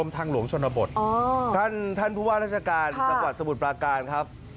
ท่านผู้ว่ารัชกาลรัฐสมุดปากราณครับ